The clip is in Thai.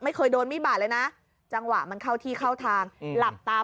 ไม่เคยโดนมีดบาดเลยนะจังหวะมันเข้าที่เข้าทางหลับตาม